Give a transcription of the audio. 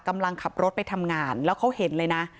กำลังขับรถไปทำงานแล้วเขาเห็นเลยนะ